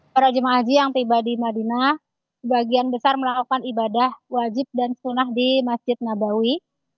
para jemaah haji yang tiba di madinah sebagian besar melakukan ibadah wajib dan sunnah di masjid nabawi